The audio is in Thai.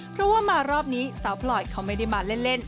เพราะว่ามารอบนี้สาวพลอยเขาไม่ได้มาเล่น